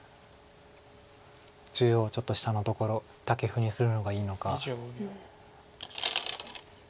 中央ちょっと下のところタケフにするのがいいのか。